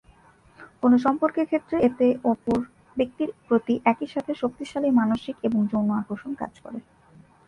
কোন সম্পর্কের ক্ষেত্রে এতে অপর ব্যক্তির প্রতি একইসাথে শক্তিশালী মানসিক এবং যৌন আকর্ষণ কাজ করে।